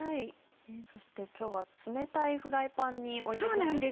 そして今日は冷たいフライパンに置いていくんですね？